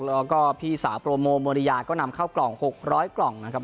แล้วก็พี่สาวโปรโมโมริยาก็นำเข้ากล่อง๖๐๐กล่องนะครับ